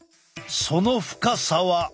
その深さは。